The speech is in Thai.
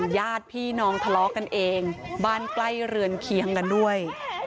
ญาติพี่น้องทะเลาะกันเองบ้านใกล้เรือนเคียงกันด้วย